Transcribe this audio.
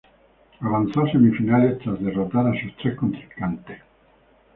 Avanzó a semifinales tras derrotar a sus tres contrincantes.